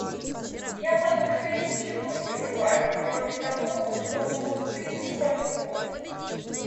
Я по душе ничего не желаю, кроме того, чтобы вот ты не споткнулась.